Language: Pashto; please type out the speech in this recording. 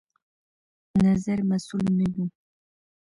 نظر مسوول نه يو